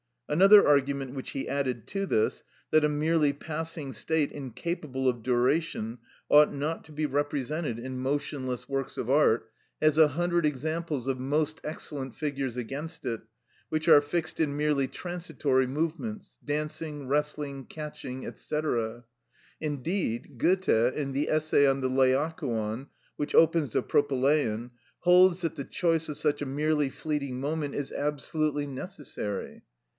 Another argument which he added to this, that a merely passing state incapable of duration ought not to be represented in motionless works of art, has a hundred examples of most excellent figures against it, which are fixed in merely transitory movements, dancing, wrestling, catching, &c. Indeed Goethe, in the essay on the Laocoon, which opens the Propylaen (p. 8), holds that the choice of such a merely fleeting movement is absolutely necessary.